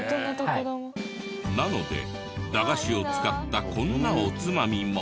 なので駄菓子を使ったこんなおつまみも。